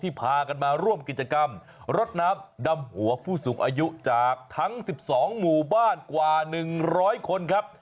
ที่พากันมาร่วมกิจกรรมศนำดำหัวผู้สูงอายุจากทั้งสิบสองหมู่บ้านกว่าหนึ่งร้อยคนครับ